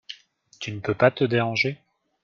Tu ne peux pas te déranger ?